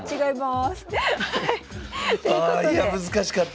あいや難しかった！